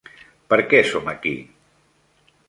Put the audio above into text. Per què som aquí?